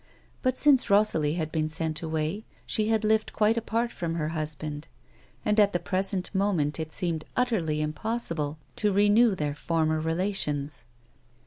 But since Rosalie had been sent away, she had lived quite apart from her husband, and at the present moment it seemed utterly impossible to renew their former relations.